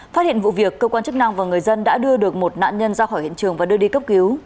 phát hiện vụ việc cơ quan chức năng và người dân đã đưa được một nạn nhân ra khỏi hiện trường và đưa đi cấp cứu